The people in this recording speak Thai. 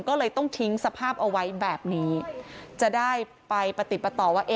ก็เลยต้องทิ้งสภาพเอาไว้แบบนี้จะได้ไปปฏิปต่อว่า